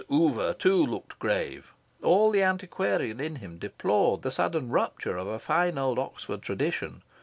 Oover, too, looked grave. All the antiquarian in him deplored the sudden rupture of a fine old Oxford tradition.